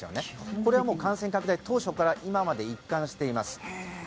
これはもう感染拡大当初から今まで一貫しています。